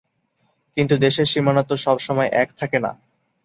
কিন্তু, দেশের সীমানা তো সবসময় এক থাকে না।